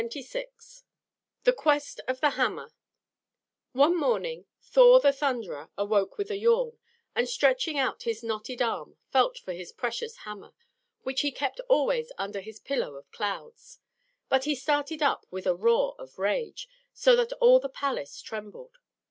CHAPTER XIII THE QUEST OF THE HAMMER One morning Thor the Thunderer awoke with a yawn, and stretching out his knotted arm, felt for his precious hammer, which he kept always under his pillow of clouds. But he started up with a roar of rage, so that all the palace trembled.